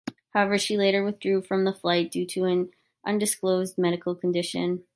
However, she later withdrew from the fight due to an undisclosed medical condition.